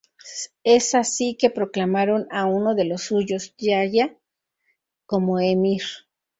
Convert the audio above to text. Es así que proclamaron a uno de los suyos, Yahya, como emir.